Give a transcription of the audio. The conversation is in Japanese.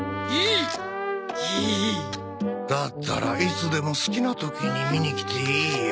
だったらいつでも好きな時に見に来ていいよ。